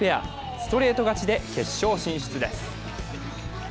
ストレート勝ちで決勝進出です。